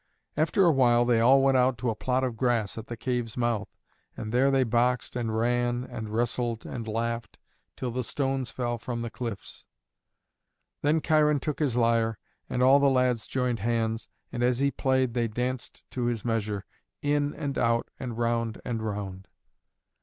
After a while they all went out to a plot of grass at the cave's mouth, and there they boxed and ran and wrestled and laughed till the stones fell from the cliffs. Then Cheiron took his lyre, and all the lads joined hands, and as he played they danced to his measure, in and out and round and round.